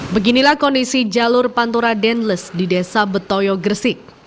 beginilah kondisi jalur pantura denles di desa betoyo gresik